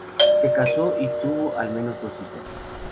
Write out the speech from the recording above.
Se casó y tuvo al menos dos hijos.